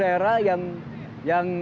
ada beberapa daerah yang